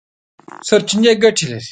سرچینې ګټې لري.